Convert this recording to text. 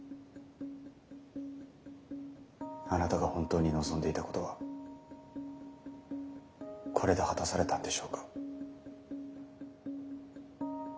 あなたが本当に望んでいたことはこれで果たされたんでしょうか？